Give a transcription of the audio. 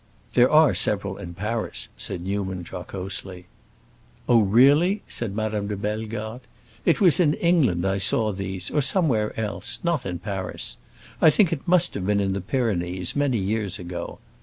"There are several in Paris," said Newman jocosely. "Oh, really?" said Madame de Bellegarde. "It was in England I saw these, or somewhere else; not in Paris. I think it must have been in the Pyrenees, many years ago.